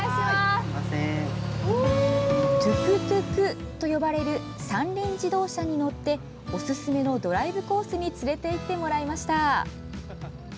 トゥクトゥクと呼ばれる三輪自動車に乗っておすすめのドライブコースに連れて行ってもらいました。